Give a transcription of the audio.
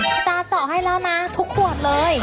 จาเจาะให้แล้วนะทุกขวดเลย